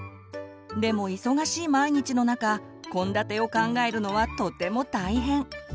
でも忙しい毎日の中献立を考えるのはとても大変。